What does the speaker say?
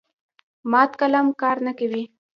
مات قلم کار نه کوي.